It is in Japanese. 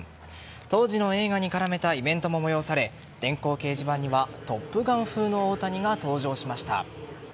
当時の映画に絡めたイベントも催され電光掲示板には「トップガン」風の大谷が登場しました。